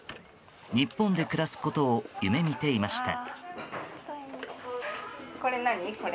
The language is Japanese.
日本で暮らすことを夢見ていました。